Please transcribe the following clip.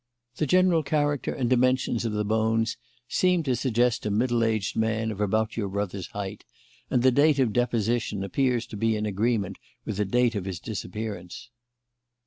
The general character and dimensions of the bones seem to suggest a middle aged man of about your brother's height, and the date of deposition appears to be in agreement with the date of his disappearance."